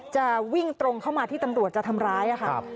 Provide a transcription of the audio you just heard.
จะวิ่งตรงเข้ามาที่ตำรวจจะทำร้ายค่ะ